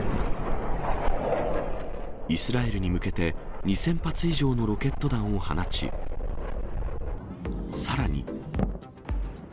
イスラエルに向けて、２０００発以上のロケット弾を放ち、さらに。